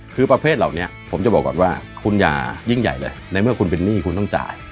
คือประเภทเหล่านี้ผมจะบอกก่อนว่าคุณอย่ายิ่งใหญ่เลยในเมื่อคุณเป็นหนี้คุณต้องจ่าย